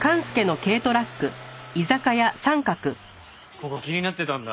ここ気になってたんだ。